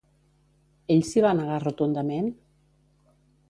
Ell s'hi va negar rotundament?